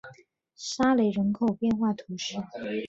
沙雷人口变化图示